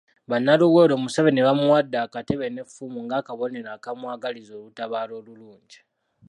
Bannaluweero Museveni baamuwadde akatebe n'effumu ng'akabonero akamwagaliza olutabaalo olulungi.